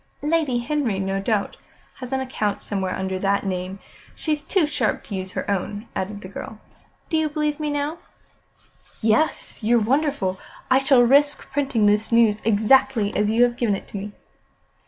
"Lady Henry, no doubt, has an account somewhere under that name. She's too sharp to use her own," added the girl. "Do you believe me now?" "Yes. You're wonderful. I shall risk printing the news exactly as you have given it to me."